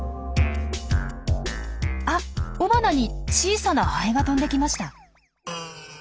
あっ雄花に小さなハエが飛んできました。